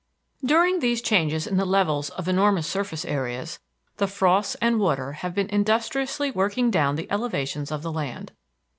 During these changes in the levels of enormous surface areas, the frosts and water have been industriously working down the elevations of the land.